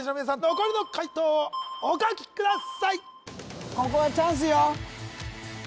残りの解答をお書きください